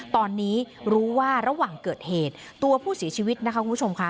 ตอนนี้รู้ว่าระหว่างเกิดเหตุตัวผู้เสียชีวิตนะคะคุณผู้ชมค่ะ